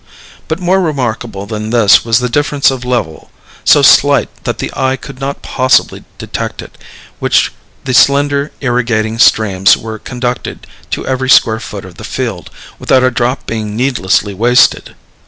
But more remarkable than this was the difference of level, so slight that the eye could not possibly detect it, by which the slender irrigating streams were conducted to every square foot of the field, without a drop being needlessly wasted.